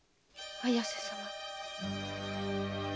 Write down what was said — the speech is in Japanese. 綾瀬様。